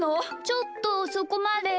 ちょっとそこまで。